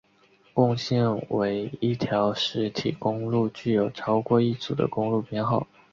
共线为一条实体公路具有超过一组的公路编号。